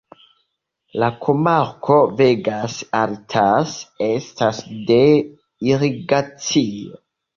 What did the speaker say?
La komarko Vegas Altas estas de irigacio.